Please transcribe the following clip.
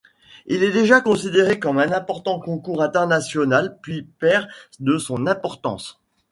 Il est déjà considéré comme un important concours international puis perd de son importance.